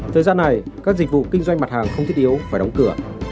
thời gian này các dịch vụ kinh doanh mặt hàng không thiết yếu phải đóng cửa